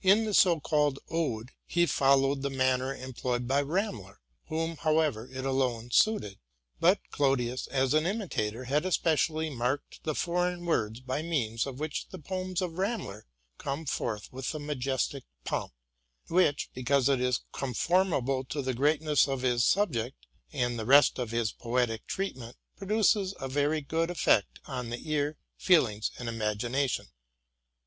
In the so called 'Ode,"' he followed the manner employed by Ramler, whom, however, it alone suited. But Clodius, as an imitator, had especially marked the foreign words by means of which the poems of Ramler come forth with a majestic pomp, whicl: RELATING TO MY LIFE. 251 because it is conformable to the greatness of his subject and the rest of his poetic treatment, produces a very good effect on the ear, feelings, and imagination.